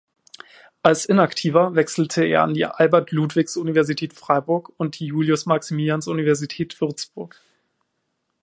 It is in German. Als Inaktiver wechselte er an die Albert-Ludwigs-Universität Freiburg und die Julius-Maximilians-Universität Würzburg.